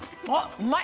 うまい！